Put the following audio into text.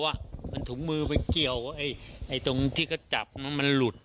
น่ะมันถุงมือเขาไปเกี่ยวไอ้ตรงที่เขาจับมันมันหลุด